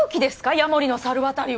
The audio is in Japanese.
ヤモリの猿渡を。